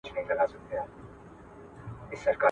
که څېړنه معیاري وي، نړیوال ارزښت پیدا کوي.